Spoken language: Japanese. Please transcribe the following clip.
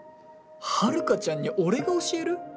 ハルカちゃんに俺が教える！？